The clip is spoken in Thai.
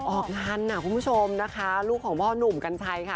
ออกงานนะคุณผู้ชมนะคะลูกของพ่อหนุ่มกัญชัยค่ะ